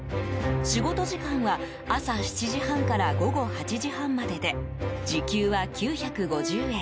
仕事時間は朝７時半から午後８時半までで時給は９５０円。